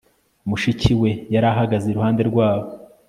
Mushiki we yari ahagaze iruhande rwabo